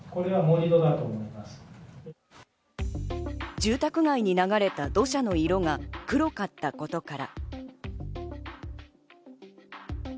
住宅街に流れた土砂の色が黒かったことから。